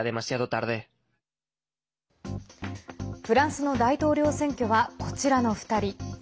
フランスの大統領選挙はこちらの２人。